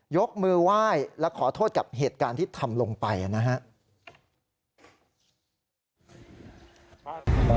ยกมือไหว้และขอโทษกับเหตุการณ์ที่ทำลงไปนะครับ